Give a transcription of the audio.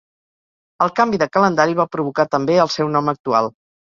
El canvi de calendari va provocar també el seu nom actual.